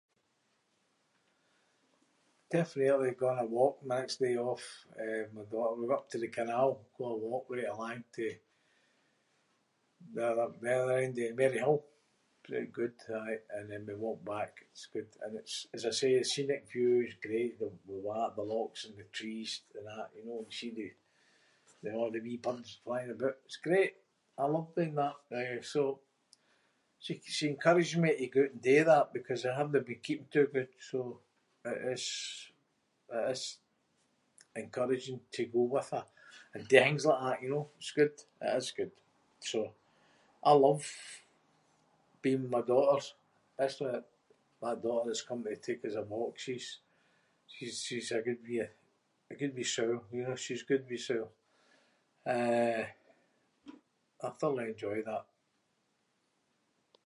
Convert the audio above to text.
Definitely going a walk on my next day off, eh, with my daughter. We go up to the canal- go a walk right alang to the other- the other end of Maryhill. [inc] good, aye, and then we walk back. It’s good. And it's, as I say, the scenic view is great- the- the wat- the lochs and the trees and that, you know. And you see the- the- a’ the wee birds flying aboot. It’s great. I love doing that. Eh, so she- she encourages me to go oot and do that because I havenae been keeping too good so it is- it is encouraging to go with her and do things like that, you know? It’s good- it is good. So, I love being with my daughters, especially my daughter that’s coming to take us a walksies. She's- she’s a good wee- a good wee soul, you know. She’s a good wee soul. Eh, I thoroughly enjoy that.